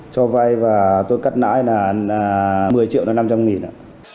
cho vay và tôi cắt nãi là một mươi triệu đến năm trăm linh nghìn ạ